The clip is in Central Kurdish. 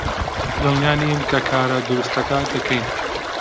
دڵنیا نیم کە کارە دروستەکە دەکەین.